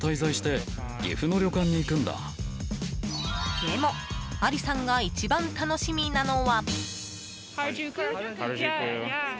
でも、アリさんが１番楽しみなのは。